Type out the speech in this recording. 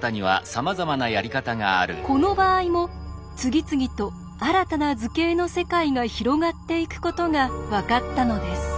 この場合も次々と新たな図形の世界が広がっていくことが分かったのです。